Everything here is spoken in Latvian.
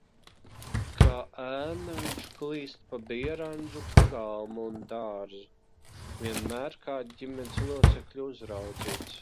Kā ēna viņš klīst pa Bierandžu pagalmu un dārzu, vienmēr kāda ģimenes locekļa uzraudzīts.